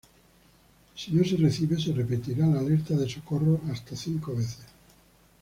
Si no se recibe, se repetirá la alerta de socorro hasta cinco veces.